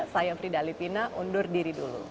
saya fridha lipina undur diri dulu